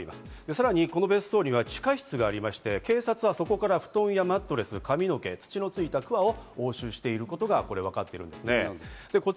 さらに別荘には地下室がありまして、警察はそこから布団やマットレス、髪の毛、土のついたくわを押収していることがわかっています。